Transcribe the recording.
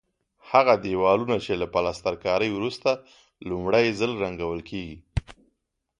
هغه دېوالونه چې له پلسترکارۍ وروسته لومړی ځل رنګول کېږي.